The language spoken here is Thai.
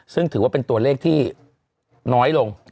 ซึ่งถือว่าเป็นตัวเลขที่น้อยลง